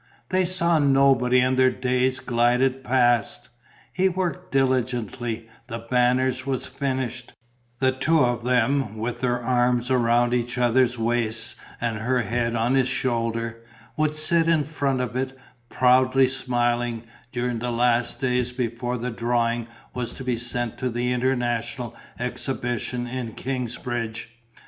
They saw nobody and their days glided past. He worked diligently; The Banners was finished: the two of them, with their arms around each other's waists and her head on his shoulder, would sit in front of it, proudly smiling, during the last days before the drawing was to be sent to the International Exhibition in Knightsbridge.